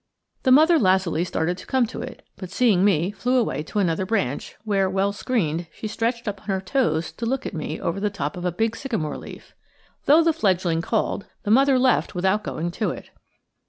The mother lazuli started to come to it, but seeing me flew away to another branch, where, well screened, she stretched up on her toes to look at me over the top of a big sycamore leaf. Though the fledgling called, the mother left without going to it.